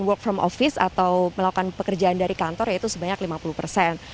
work from office atau melakukan pekerjaan dari kantor yaitu sebanyak lima puluh persen